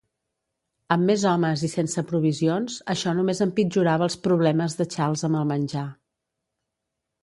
Amb més homes i sense provisions, això només empitjorava els problemes de Charles amb el menjar.